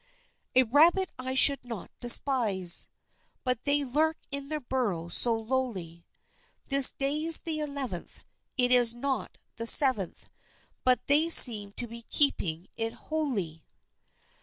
A rabbit I should not despise, But they lurk in their burrows so lowly; This day's the eleventh, It is not the seventh, But they seem to be keeping it hole y.